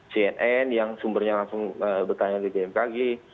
cnn yang sumbernya langsung bertanya di bmkg